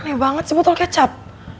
aneh banget sih botol kecap